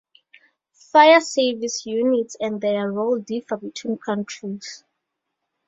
Fire service units and their role differ between countries.